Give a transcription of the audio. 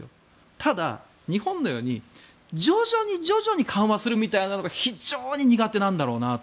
ただ、日本のように徐々に徐々に緩和するみたいなのが非常に苦手なんだろうなと。